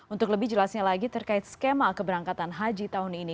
untuk lebih jelasnya lagi terkait skema keberangkatan haji tahun ini